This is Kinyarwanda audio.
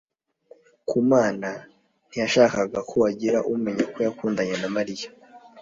kamana ntiyashakaga ko hagira umenya ko yakundanye na mariya